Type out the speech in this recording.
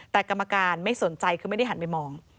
แต่กรรมการไม่สนใจคือไม่ได้หันไปมอง